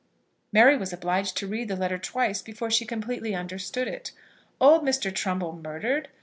Mary was obliged to read the letter twice before she completely understood it. Old Mr. Trumbull murdered!